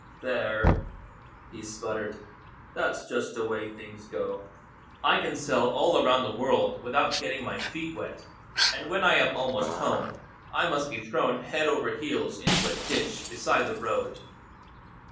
"There," he sputtered, "that's just the way things go! I can sail all around the world 179 GYPSY, THE TALKING DOG without getting my feet wet, and when I am almost home I must be thrown head over heels into a ditch beside the road